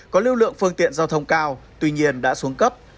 có lưu lượng phương tiện giao thông cao tuy nhiên đã xuống cấp